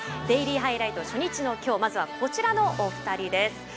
デイリーハイライト初日のきょうまずはこちらのお二人です。